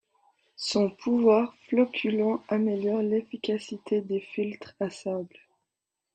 Son pouvoir floculant améliore l'efficacité des filtres à sable.